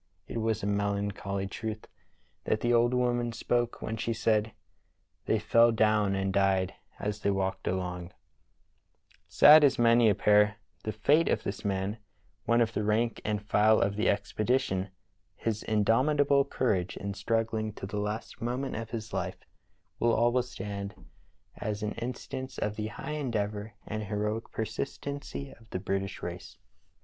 It was a melancholy truth that the old woman spoke when she said :* They fell down and died as they walked along' " Sad as may appear the fate of this man, one of the rank and file of the expedition, his indomitable courage in struggling to the last moment of his life will always stand as an instance of the high endeavor and heroic persistency of the British race.